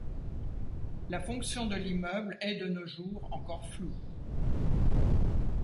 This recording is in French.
La fonction de l'immeuble est, de nos jours, encore floue.